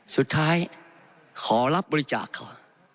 สุดท้ายขอรับบริจาคเขา